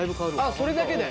あっそれだけで！